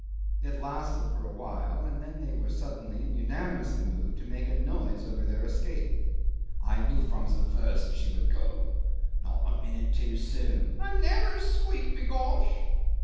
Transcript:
'It lasted for a while, and then they were suddenly and unanimously moved to make a noise over their escape. "I knew from the first she would go." "Not a minute too soon." "A narrow squeak, b'gosh!"